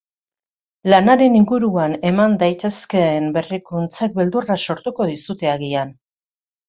Lanaren inguruan eman daitezkeen berrikuntzek beldurra sortuko dizute agian.